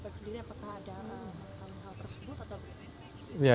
bapak sendiri apakah ada hal tersebut